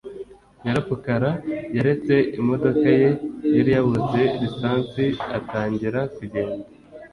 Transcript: Nyararupfakara yaretse imodoka ye yari yabuze lisansi atangira kugenda.